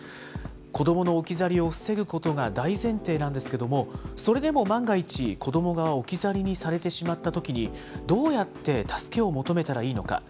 子どもの置き去りを防ぐことが大前提なんですけれども、それでも万が一、子どもが置き去りにされてしまったときに、どうやって助けを求めたらいいのか。